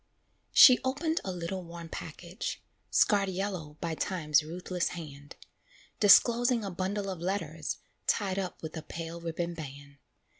She opened a little worn package, Scarred yellow by Time's ruthless hand; Disclosing a bundle of letters Tied up with a pale ribbon band.